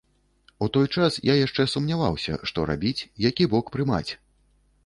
У той час я яшчэ сумняваўся, што рабіць, які бок прымаць.